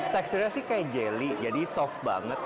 teksturnya sih kayak jelly jadi soft banget